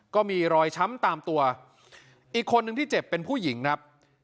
ก็มีรอยช้ำตามตัวอีกคนนึงที่เจ็บเป็นผู้หญิงครับ